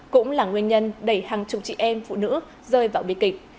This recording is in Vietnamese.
cũng là nguyên nhân đẩy hàng chục chị em phụ nữ rơi vào biệt kịch